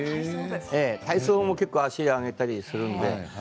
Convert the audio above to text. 体操も結構足を上げたりするので。